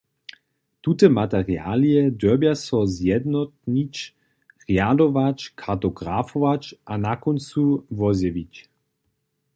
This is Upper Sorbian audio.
Tute materialije dyrbja so zjednotnić, rjadować, kartografować a na kóncu wozjewić.